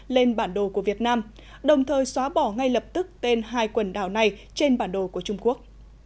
lên bản đồ của việt nam đồng thời xóa bỏ ngay lập tức tên hai quần đảo này trên bản đồ của trung quốc